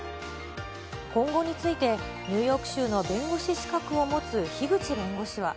今後について、ニューヨーク州の弁護士資格を持つ樋口弁護士は。